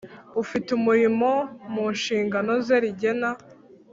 Ufite umurimo mu nshingano ze rigena